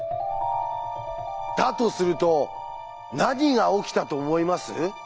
だとすると何が起きたと思います？